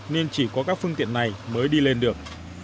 nên chỉ có các phương tiện này mới đi lên được